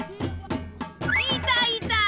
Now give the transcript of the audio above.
いたいた！